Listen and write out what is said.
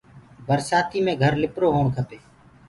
برسآتيٚ مي گھر لِپرو هوڻ کپي۔